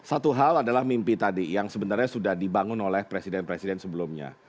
satu hal adalah mimpi tadi yang sebenarnya sudah dibangun oleh presiden presiden sebelumnya